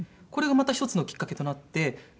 これがまた１つのきっかけとなって。